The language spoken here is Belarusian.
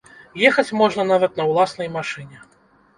Ехаць можна нават на ўласнай машыне.